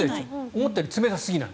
思ったより冷たすぎない。